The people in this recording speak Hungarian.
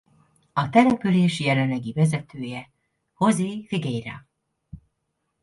A település jelenlegi vezetője José Figueira.